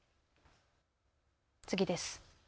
次です。